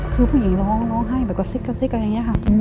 คือผู้หญิงร้องร้องไห้แบบกระซิกกระซิกอะไรอย่างนี้ค่ะ